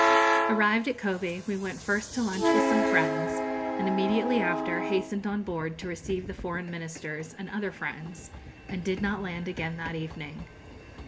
Arrived at Kobe, we went first to lunch with some friends, and immediately after hastened on board to receive the foreign Ministers and other friends; and did not land again that evening.